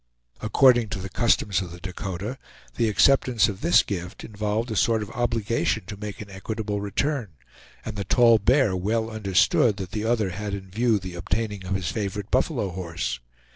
According to the customs of the Dakota, the acceptance of this gift involved a sort of obligation to make an equitable return; and the Tall Bear well understood that the other had in view the obtaining of his favorite buffalo horse.